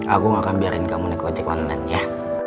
aku gak akan biarin kamu nikotin online ya